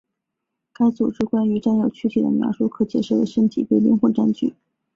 该组织关于占有躯体的描述可以解释为身体被灵魂占据。